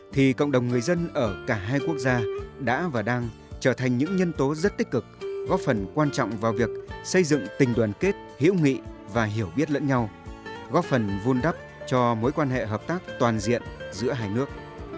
thì cộng đồng người dân ở cả hai quốc gia đã và đang trở thành những nhân tố rất tích cực góp phần quan trọng vào việc xây dựng tình đoàn kết hữu nghị và hiểu biết lẫn nhau góp phần vun đắp cho mối quan hệ hợp tác toàn diện giữa hai nước